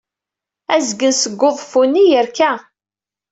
Azgen seg uḍeffu-nni yerka.